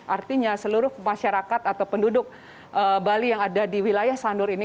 artinya seluruh masyarakat atau penduduk bali yang ada di wilayah sanur ini